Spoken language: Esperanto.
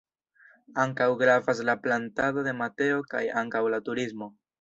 Ankaŭ gravas la plantado de mateo kaj ankaŭ la turismo.